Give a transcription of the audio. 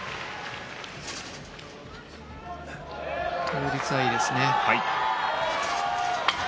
倒立はいいですね。